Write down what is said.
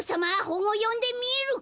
ほんをよんでみる！